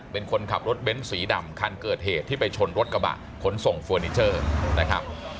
เป็นคนขับรถเบ้นสีดำคันเกิดเหตุที่ไปชนรถกระบะขนส่งเฟอร์นิเจอร์นะครับ